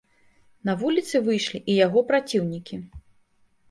На вуліцы выйшлі і яго праціўнікі.